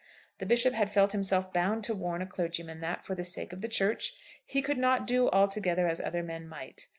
The Bishop had felt himself bound to warn a clergyman that, for the sake of the Church, he could not do altogether as other men might.